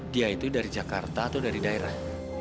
dia itu dari jakarta atau dari daerah